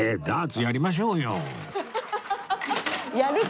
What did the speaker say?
ダーツやりましょうよ